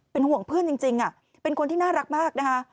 เป็นห่วงเพื่อนจริงเป็นคนที่น่ารักมากนะคะ